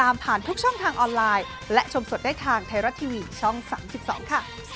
มันเชิงไทยรัก